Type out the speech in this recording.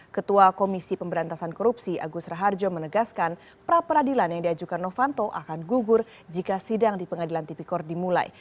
ketua komisi pemberantasan korupsi agus raharjo menegaskan pra peradilan yang diajukan novanto akan gugur jika sidang di pengadilan tipikor dimulai